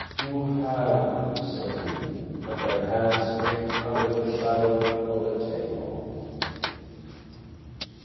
"You have," said he, and their hands met under the shadow of the table.